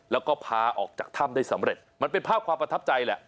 แล้วก็พาออกจากถ้ำได้สำเร็จมันเป็นภาพความประทับใจแหละ